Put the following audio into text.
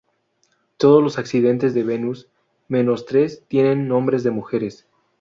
Todos los accidentes de Venus, menos tres, tienen nombres de mujeres.